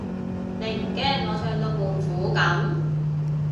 你唔驚我唱到胖虎噉？